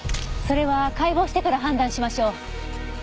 それは解剖してから判断しましょう。